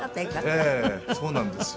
ええそうなんですよ。